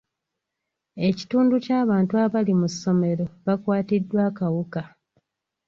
Ekitundu ky'abantu abali mu ssomero bakwatiddwa akawuka.